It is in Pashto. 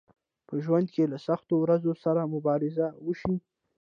په ژوند کې له سختو ورځو سره مبارزه وشئ